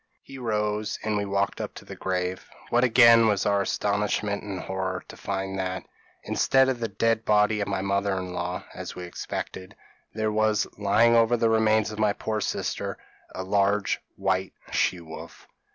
p> "He rose and we walked up to the grave; what again was our astonishment and horror to find that, instead of the dead body of my mother in law, as we expected, there was lying over the remains of my poor sister, a large white she wolf.